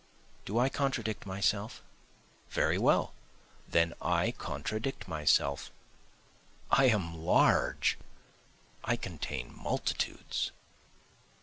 Do I contradict myself? Very well then I contradict myself, (I am large, I contain multitudes.)